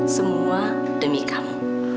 semua demi kamu